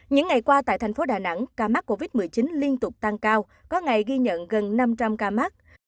những ngày qua tại thành phố đà nẵng ca mắc covid một mươi chín liên tục tăng cao có ngày ghi nhận gần năm trăm linh ca mắc